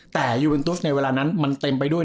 แต่ยูเอ็นตุสในเวลานั้นมันเต็มไปด้วย